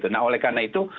nah oleh karena itu